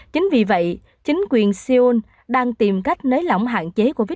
chính vì vậy chính quyền seoul đang tìm cách nới lỏng hạn chế covid một mươi chín